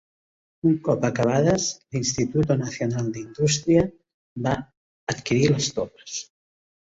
Un cop acabades, l'Instituto Nacional de Industria va adquirir les torres.